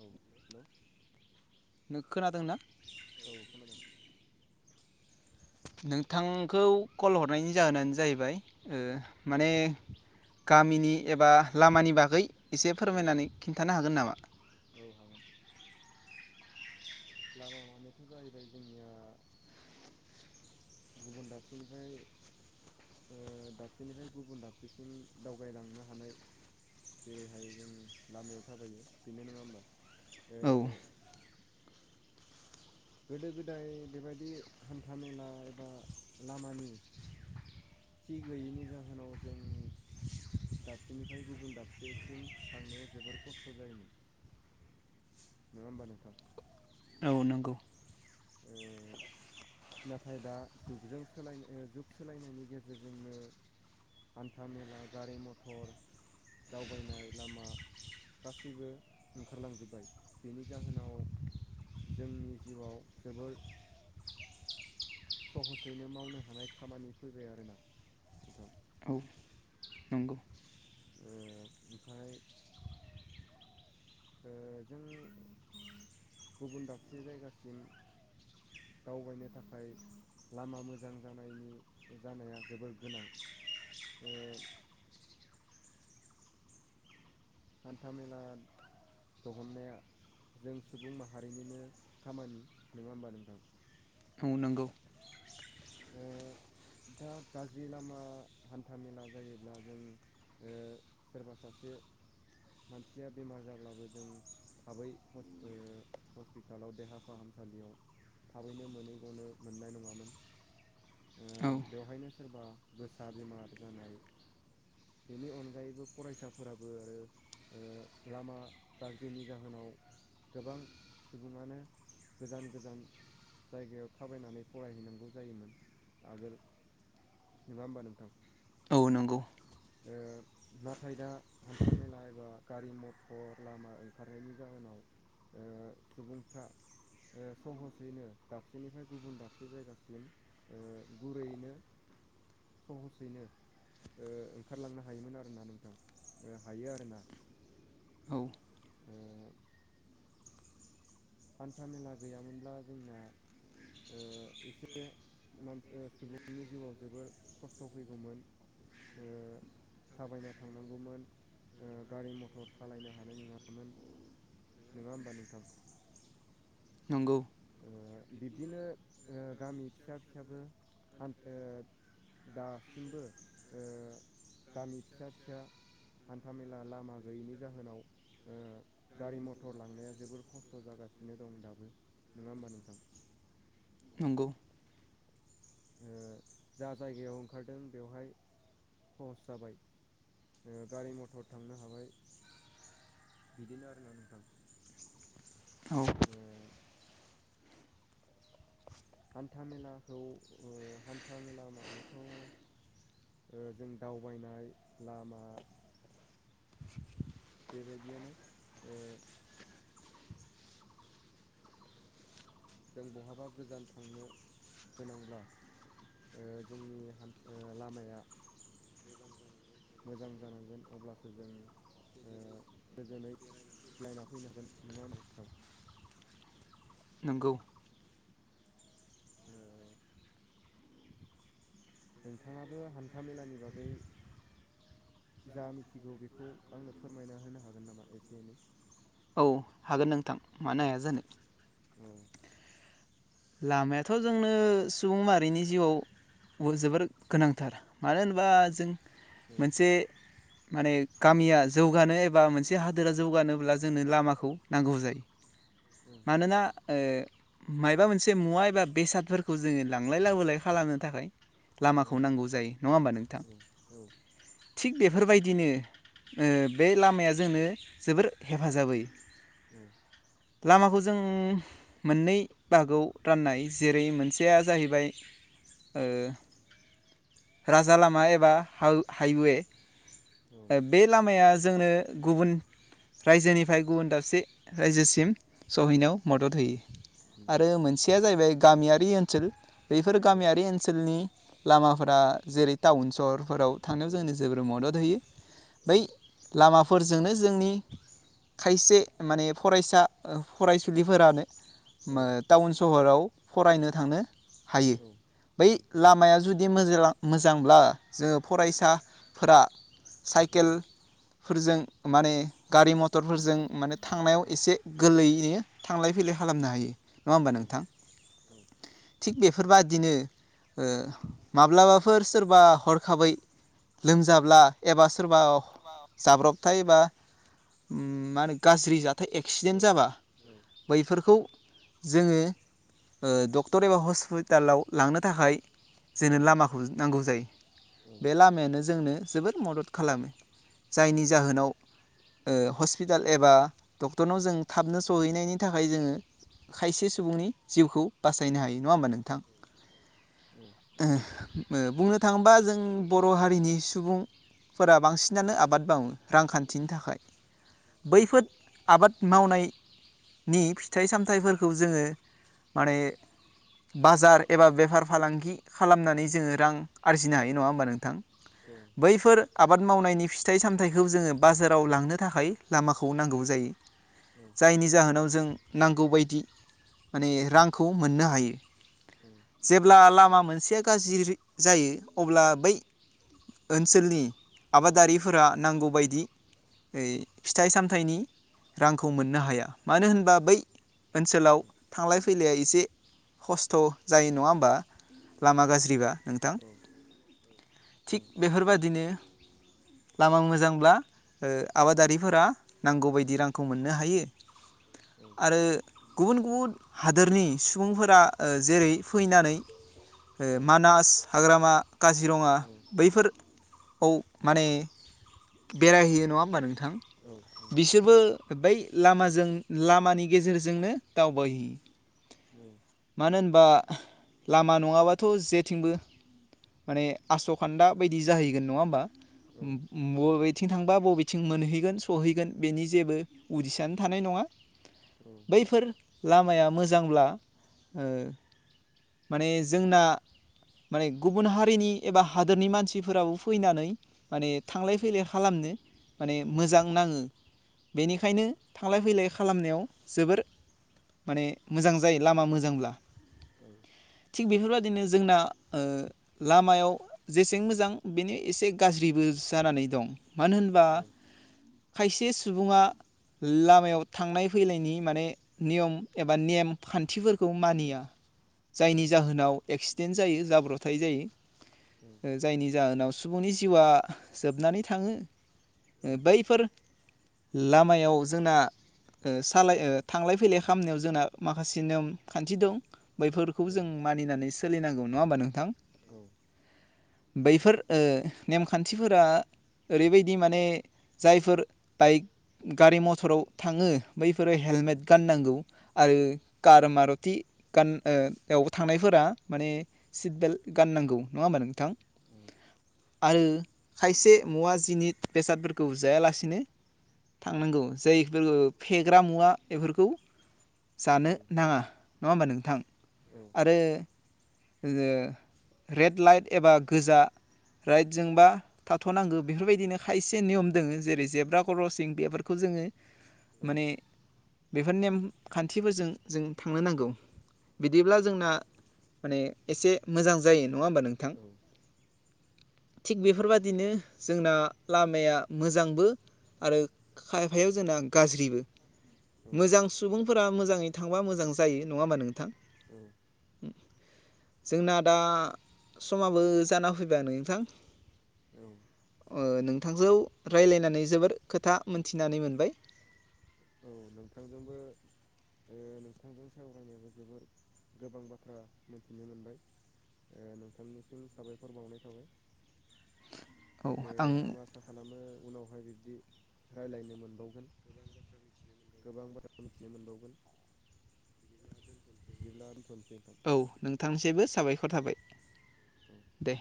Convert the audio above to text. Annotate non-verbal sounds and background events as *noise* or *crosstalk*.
औ हेलौ नों खोनादों ना? औ खोनादों नोंथांखौ कल हरनायनि जाहोनानो जाहैबाय ओ माने गामिनि एबा लामानि बागै एसे औ फोरमायनानै खिन्थानो हागोन नामा? औ हागोन लामा मानेथ' जाहैबाय जोंनिया गुबुन दाबसेनिफ्राय ओ दाबसेनिफ्राय गुबुन दाबसेसिम दावगायलांनो हानाय जेरैहाय जों लामायाव थाबायो बेनो नङा होमबा ओ औ गोदो गोदाय बेबायदि हान्था मेला एबा लामानि थि गैयैनि जाहोनाव जों दाबसेनिफ्राय गुबुन दाबसेसिम थांनायाव जोबोर खस्थ' जायोमोन नङा होमबा नोंथां? औ नंगौ ओ नाथाय दा जुगजों सोलाय ओ जुग सोलायनाय नि गेजेरजोंनो हान्था मेला गारि मथर दावबायनाय लामा गासैबो ओंखारलांजोबाय बेनि जाहोनाव जोंनि जिउआव जोबोर सहसैनो मावनो हानाय खामानि फैबाय आरोना नोंथां औ नंगौ ओ ओमफाय ओ जों गुबुन दाबसे जायगासिम दावबायनो थाखाय लामा मोजां जानायनि जानाया जोबोर गोनां ओ हान्थामेला दहननाया जों सुबुं माहारिनिनो खामानि नङा होमबा नोंथां? औ नंगौ ओ दा गाज्रि लामा हान्था मेला जायोब्ला जों ओ सोरबा सासे मानसिया बेमार जाब्लाबो जों थाबै हस ओ हस्पिटालाव देहा फाहामसालिआव थाबैनो मोनहैगनो मोननाय नङामोन औ ओ बेवहायनो सोरबा गोसा बेमार जानाय बेनि अनगायैबो फरायसाफोराबो आरो ओ लामा गाज्रिनि जाहोनाव गोबां सुबुंङानो गोजान गोजान जायगायाव थाबायनानै फरायहैनांगौ जायोमोन आगोल नङा होमबा नोंथां औ नंगौ ओ नाथाय दा हान्था मेला बा गारि मथर लामा ओंखारनायनि जाहोनाव ओ सुबुंफ्रा ओ सहसैनो दाबसेनिफ्राय गुबुन दाबसे जायगासिम ओ गुरैयैनो सहसैनो ओ ओंखारलांनो हायोमोन आरोना नोंथां ओ हायो आरो ना औ ओ हान्था मेला गैयामोनब्ला जोंना ओ एसे मानसे‌ सुबुंनि जिउआव जोबोर खस्थ फैगौमोन ओ थाबायना थांनांगौमोन ओ गारि मथर सालायनो हानाय नंङामोन नोङा होमबा नोंथां नंगौ ओ बिब्दिनो ओ गामि फिसा फिसाबो हान्थ ओ दासिमबो ओ गामि फिसा फिसा हान्थामेला लामा गैयिनि जाहोनाव ओ गारि मथर लांनाया जोबोर खस्थ' जागासिनो दं दाबो नोङा होमबा नोंथां नंगौ ओ जा जायगायाव ओंखारदों बेवहाय खहस जाबाय ओ गारि मथर थांनो हाबाय बिदिनो आरोना नोंथां औ ओ हान्था मेलाखौ ओ हान्था मेला मानेथ ओ जों दावबायनाय लामा बेबायदियानो ओ जों बहाबा गोजान थांनो गोनांब्ला ओ जोंनि हान्था लामाया मोजां जानांगोन अब्लासो जों ओ गोजोनै बेरायना फैनो हागोन नङाहोनब्ला नोंथां नोंगौ ओ *unintelligible* नोंथाङाबो हान्था मेलानि बागै जा मिथिगौ बेखौ आंनो फोरमायना होनो हागोन नामा एसे एनै औ हागोन नोंथां मानो हाया जानो औ लामायाथ' जोंनो सुबुं माहारिनि जिउआव अ जोबोर गोनांथार मानो होनोबा जों औ मोनसे माने गामिया जौगानो एबा मोनसे हादोरा जौगानोब्ला जोंनो लामाखौ नांगौ जायो औ मानोना ओ मायबा मोन से मुवा एबा बेसादफोरखौ जोङो लांलाय लाबोलाय खालामनो थाखाय औ लामाखौ नांगौ जायो नङा होमबा नोंथां औ थिग बेफोरबायदिनो ओ बे लामाया जोंनो जोबोर हेफाजाब होयो औ लामाखौ जों मोननै बागआव राननाय जेरै मोनसेया जाहैबाय ओ राजा लामा एबा हाउ हाइवे औ ओ बे लामाया जोंनो गुबुन रायजोनिफ्राय गुबुन दाबसे रायजोसिम सहैनायाव मदद होयो उम आरो उम मोनसेया जाहैबाय गामियारि ओनसोल बैफोर औ गामियारि ओनसोलनि लामाफोरा जेरै टाउन सहरफोराव थांनायाव औ जोंनो जोबोर मदद होयो औ बै लामाफोरजोंनो जोंनि खायसे माने फरायसा ओ फरायसुलिफोरानो औ मो टाउन सहराव फरायनो थांनो हायो औ बै लामाया जुदि मोजा मोजांब्ला जोङो फरायसाफोरा औ साइकेलफोरजों माने गारि मथरफोरजों माने थांनायाव औ एसे गोरलैयैनो थांलाय फैलाय खालामनो हायो नङा होमबा नोंथां औ थिग बेफोरबादिनो औ ओ माब्लाबाफोर सोरबा हरखाबै लोमजाब्ला एबा सोरबा सोरबा जाब्रबथाय बा उम माहोनो गाज्रि जाथाय औ एक्सिडेन्ट जाबा औ बैफोरखौ जोङो ओ डक्टर एबा हस्पिटालाव लांनो थाखाय औ जोंनो लामाखौ नांगौ जायो औ बे लामायानो जोंनो जोबोद मदद खालामो औ जायनि जाहोनाव ओ हस्पिटाल एबा डक्टरनाव जों थाबनो सहैनायनि थाखाय जोङो खायसे सुबुंनि जिउखौ बासायनो हायो नङा होमबा नोंथां औ ओ औ ओ बुंनो थाङोबा जों बर' हारिनि सुबुं फोरा बांसिनानो आबाद मावो रांखान्थिनि थाखाय औ बैफोर आबाद मावनायनि फिथाइ सामथाइफोरखौ जोङो माने बाजार एबा बेफार फालांगि खालामनानै जोङो रां आरजिनो हायो नङा होमबा नोंथां औ बैफोर आबाद मावनायनि फिथाइ सामथाइखौ जोङो बाजाराव लांनो थाखाय लामाखौ नांगौ जायो *inaudible* औ। जायनि जाहोनाव जों नांगौ बायदि। माने रांखौ मोननो हायो। औ। जेब्ला लामा मोनसेया गाज्रि जायो अब्ला बै। ओनसोलनि आबादारिफोरा नांगौबायदि। ओइ फिथाइ सामथाइनि। रांखौ मोननो हाया मानो होनबा बै ओनसोलाव थांलाय फैलाया एसे खस्थ' जायो नङा होमबा लामा गाज्रिबा नों थां थिग औ बेफोरबादिनो लामा मोजांब्ला। ओ आबादारिफोरा नांगौबायदि रांखौ मोननो हायो। उम। आरो गुबुन गुबुन हादोरनि सुबुंफोरा ओ जेरै फैनानै। मानास हाग्रामा काजिरङा बैफोर औ माने बेरायहैयो नङा होमबा नोंथां। औ औ। जोबो बै लामाजों लामानि गेजेरजोंनो दावबायहैयो औ मानो होनबा लामा नङाबाथ' जेथिंबो माने आस'खान्दा बायदि जाहैगोन नङा होमबा बबेथिं थांबा बबेथिं मोनहैगोन सहैगोन बेनि जेबो उदिसानो थानाय नङा औ बैफोर लामाया मोजांब्ला ओ माने जोंना माने गुबुन हारिनि एबा हादोरनि मानसिफोराबो फैनानै माने थांलाय फैलाय खालामनो माने मोजां नाङो बेनिखायनो थांलाय फैलाय खालामनायाव जोबोर माने मोजां जायो लामा मोजांब्ला औ थिग बेफोरबायदिनो जोंना ओ लामायाव जेसें मोजां बेनि एसे गाज्रिबो जानानै दं मानो होनबा खायसे सुबुङा लामायाव थांलाय फैलायनायनि माने नियम एबा बा नेम खान्थिफोरखौ मानिया जायनि जाहोनाव एक्सिडेन्ट जायो जाब्रथाय जायो। औ *inaudible* जायनि जाहोनाव सुबुंनि जिउआ जोबनानै थाङो बैफोर लामायाव जोंना सालाय थांलाय फैलाय खालामनायाव जों जोंना माखासे नेम खान्थि दं बैफोरखौ जों मानिनानै सोलिनांगौ नङा होमबा नोंथां। औ। बैफोर ओ‌ नेमखान्थिफोरा ओरैबायदि माने जायफोर बाइक गारि मथराव थाङो बैफोरा हेलमेट‌‌ गाननांगौ। आरो कार मारुथि गानयावबो थांनायफोरा‌ माने सिट बेल्ट गाननांगौ नङा होमबा नोंथां? उम। आइ खायसे मुवा जिनिद बेसादफोरखौ जायालासिनो थांनांगौ जायफोर फेग्रा मुवा बेफोरखौ जानो नाङा नङा होमबा नोंथां। औ। आरो जोङो रेड लाइट एबा गोजा राइटजोंबा थाथ'नांगौ बेफोरबायदिनो खायसे नियम दोङो जेरै जेब्रा खरसिं बेफोरखौ जोङो माने बिफोर नेम खान्थिफोरजों जों थांनो नांगौ बिदिब्ला जोंना माने एसे मोजां जायो नङा होमबा नोंथां? थिग बेफोरबायाददिनो जोंना लामाया मोजांबो आरो खायफायाव जोंना गाज्रिबो ‌। मोजां सुबुंफोरा मोजाङै थांबा मोजां जायो नङा होनबा‌ नोंथां? औ। उम। जोंना दा समाबो जाना फैबाय नोंथां। औ। ओ नोंथांजौ रायज्लायनानै जोबोर खोथा मोनथिनानै मोनबाय। औ नोंथांजोंबो ओ नोंथांजों सावरायनायबो जोबोद गोबां बाथ्रा मोनथिनो मोनबाय। ओ नोंथांनिसिम साबायखर बावनाय थाबाय। *inaudible* बिदो आं आसा खालामो उनावहाय बिब्दि राय्लायनो मोनबावगोन। गोबां बाथ्रा मिथिनो मोनबावगोन। बिदिब्ला दोन्थनोसै। औ नोंथांनिसबो साबायखर थाबाय औ दे।